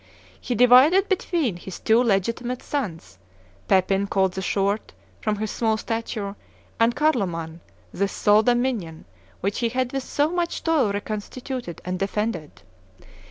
He divided between his two legitimate sons, Pepin, called the Short, from his small stature, and Carloman, this sole dominion which he had with so much toil reconstituted and defended.